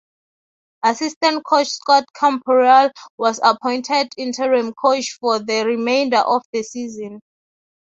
Assistant coach Scott Camporeale was appointed interim coach for the remainder of the season.